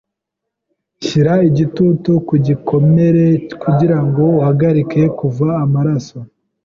Shyira igitutu ku gikomere kugirango uhagarike kuva amaraso.